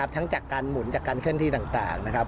ทั้งจากการหมุนจากการเคลื่อนที่ต่างนะครับ